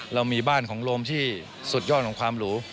เรามีบ้านของโรมที่สุดยอดของความหรู